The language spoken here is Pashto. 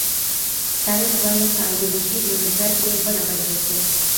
تاریخ باید په ایډیالوژیک منظر کي ونه وژل سي.